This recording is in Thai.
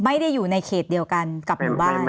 ไม่ได้อยู่ในเขตเดียวกันกับหมู่บ้าน